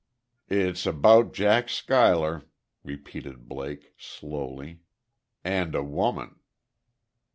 "It's about Jack Schuyler," repeated Blake, slowly, "and a woman."